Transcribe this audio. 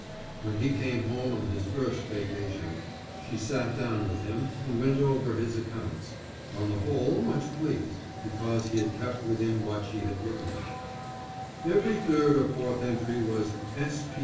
When he came home on his first vacation, she sat down with him and went over his accounts, on the whole much pleased, because he had kept within what she had given him. Every third or fourth entry was S.